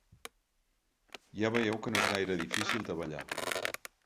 Ja veieu que no és gaire difícil de ballar.